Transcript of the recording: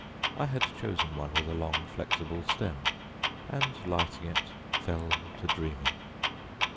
I had chosen one with a long flexible stem, and lighting it fell to dreaming.